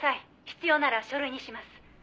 必要なら書類にします」